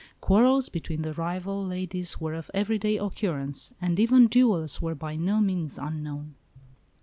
Quarrels between the rival ladies were of everyday occurrence; and even duels were by no means unknown.